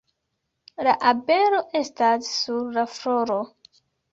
La abelo estas sur la floro